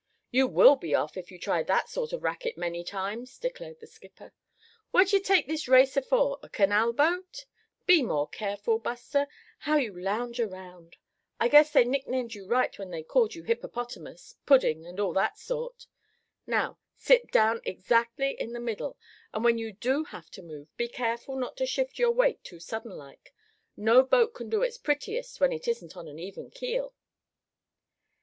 "You will be off, if you try that sort of racket many times," declared the skipper. "What d'ye take this racer for, a canalboat? Be more careful Buster, how you lounge around. I guess they nicknamed you right when they called you Hippopotamus, Pudding, and all that sort. Now, sit down exactly in the middle, and when you do have to move, be careful not to shift your weight too sudden like. No boat can do its prettiest when it isn't on an even keel."